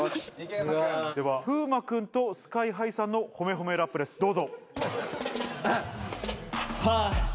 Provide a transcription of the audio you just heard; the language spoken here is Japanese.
では ＦＵＭＡ 君と ＳＫＹ−ＨＩ さんのほめほめラップですどうぞ。